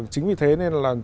chính vì thế nên là